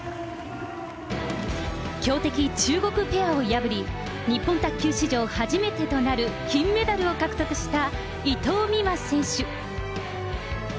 強敵、中国ペアを破り、日本卓球史上初めてとなる金メダルを獲得した伊藤美誠選手。